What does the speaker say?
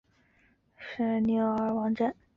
圣博德弥撒中心网站